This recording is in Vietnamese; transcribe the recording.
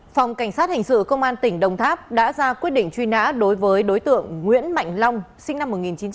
phòng cảnh sát hình sự công an tỉnh đồng tháp đã ra quyết định truy nã đối với đối tượng nguyễn mạnh long sinh năm một nghìn chín trăm tám mươi